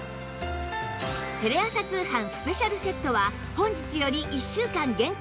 テレ朝通販スペシャルセットは本日より１週間限定